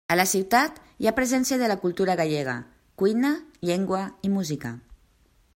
A la ciutat hi ha presència de la cultura gallega: cuina, llengua i música.